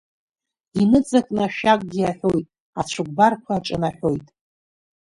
Иныҵакны ашәакгьы аҳәоит, ацәыкәбарқәа аҿанаҳәоит.